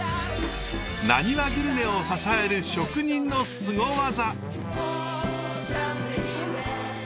なにわグルメを支える職人のすご技。